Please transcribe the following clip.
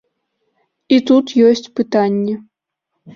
І тут ёсць пытанні.